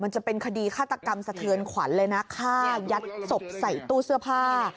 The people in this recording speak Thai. มันจะเป็นคดีฆาตกรรมสะเทือนขวัญเลยนะฆ่ายัดศพใส่ตู้เสื้อผ้า